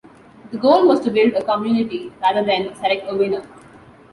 The goal was to build a community rather than select a "winner".